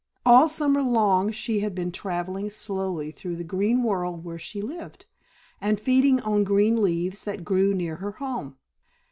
All summer long she had been travelling slowly through the green world where she lived, and feeding on the green leaves that grew near her home.